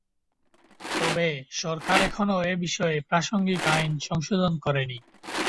তবে, সরকার এখনও এবিষয়ে প্রাসঙ্গিক আইন সংশোধন করেনি।